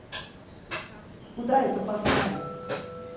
Куда это поставить?